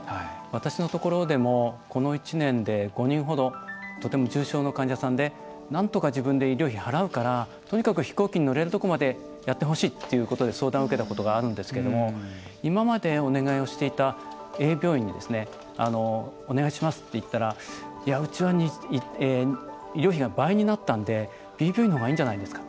私のところでもこの１年で５人ほどとても重症の患者さんでなんとか自分で医療費払うからとにかく飛行機に乗れるところまでやってほしいということで相談を受けたことがあるんですけれども今まで、お願いをしていたＡ病院にお願いしますと言ったらうちは医療費が倍になったのでＢ病院のほうがいいんじゃないですか？